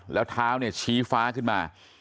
แล้วเท้าเนี่ยชี้ฟ้าขึ้นมา